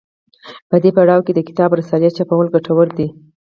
په دې پړاو کې د کتاب او رسالې چاپول ګټور دي.